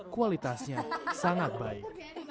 kualitasnya sangat baik